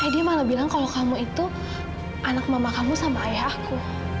dia malah bilang kalau kamu itu anak mama kamu sama ayahku